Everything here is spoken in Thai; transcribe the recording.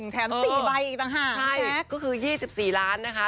แถม๔ใบอีกต่างหากก็คือ๒๔ล้านนะคะ